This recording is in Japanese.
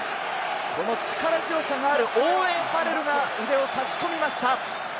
この力強さがあるオーウェン・ファレルが腕を差し込みました。